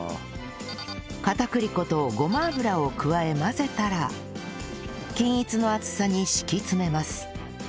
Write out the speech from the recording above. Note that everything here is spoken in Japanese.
片栗粉とごま油を加え混ぜたら均一の厚さに敷き詰めます